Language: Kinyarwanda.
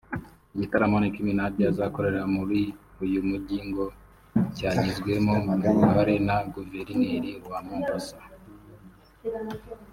Igitaramo Nicki Minaj azakorera muri uyu mujyi ngo cyagizwemo uruhare na Guverineri wa Mombasa